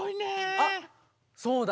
あっそうだ！